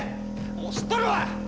もう知っとるわ！